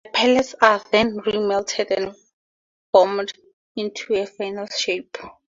The pellets are then re-melted and formed into the final shape.